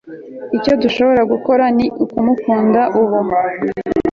icyo dushobora gukora ni ukumukunda ubu